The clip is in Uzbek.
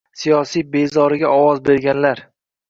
«siyosiy bezori»ga ovoz berganlar